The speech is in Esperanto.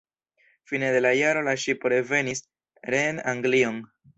Fine de la jaro la ŝipo revenis reen Anglion.